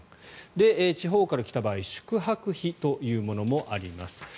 地方から来た場合宿泊費というものもあります。